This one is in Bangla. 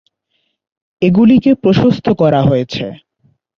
এগুলিকে প্রশস্ত করা হয়েছে।